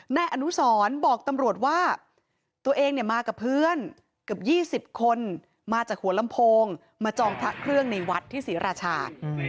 นายอนุสรบอกตำรวจว่าตัวเองมากับเพื่อนเกือบ๒๐คนมาจากหัวลำโพงมาจองพระเครื่องในวัดที่ศรีราชา